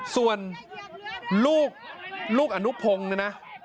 ส่วนลูกลูกอนุพงศ์เนี่ยนะ